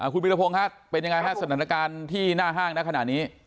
คุณมิรพงฮะเป็นอย่างไรฮะสถานการณ์ที่หน้าห้างณขนาดนี้